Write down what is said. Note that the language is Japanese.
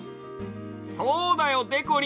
そうだよでこりん。